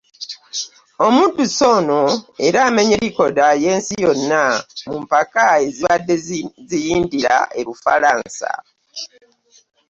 Omuddusi ono era amenye likoda y'ensi yonna mu mpaka ezibadde ziyindira e Bufalansa.